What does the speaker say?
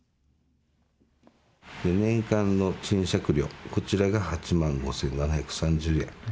年間の賃借料、こちらが８万５７３０円。